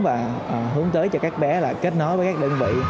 và hướng tới cho các bé là kết nối với các đơn vị